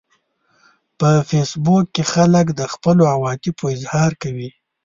په فېسبوک کې خلک د خپلو عواطفو اظهار کوي